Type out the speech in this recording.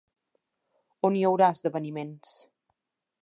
On hi haurà esdeveniments?